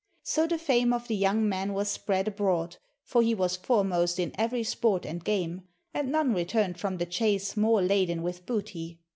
So the fame of the young man was spread abroad, for he was fore most in every sport and game, and none returned from the chase more laden with booty.